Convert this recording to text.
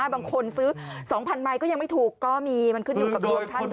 บางคนซื้อ๒๐๐ใบก็ยังไม่ถูกก็มีมันขึ้นอยู่กับดวงท่านด้วย